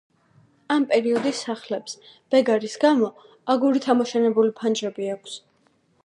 ამ პერიოდის სახლებს ბეგარის გამო აგურით ამოშენებული ფანჯრები აქვს.